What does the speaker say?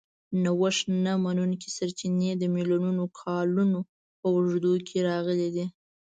نوښت نه منونکي سرچینې د میلیونونو کالونو په اوږدو کې راغلي دي.